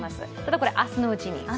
これ、明日のうちに。